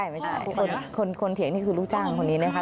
ไม่ใช่คนเถียงนี่คือลูกจ้างคนนี้นะคะ